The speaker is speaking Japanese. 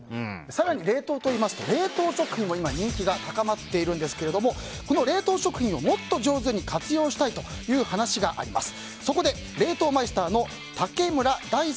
更に冷凍といいますと冷凍食品も今人気が高まっていますがこの冷凍食品を、もっと上手に活用したいという話があります。